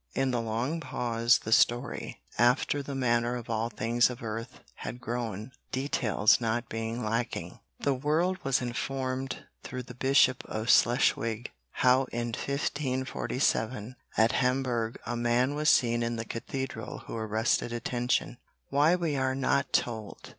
In the long pause the story, after the manner of all things of earth, had grown, details not being lacking. The world was informed through the Bishop of Schleswig, how in 1547, at Hamburg, a man was seen in the Cathedral who arrested attention why we are not told.